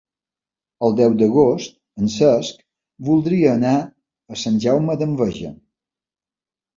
El deu d'agost en Cesc voldria anar a Sant Jaume d'Enveja.